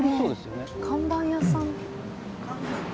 看板屋さん。